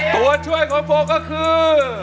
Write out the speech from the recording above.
ตัวช่วยของผมก็คือ